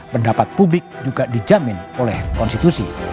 pendapat publik juga dijamin oleh konstitusi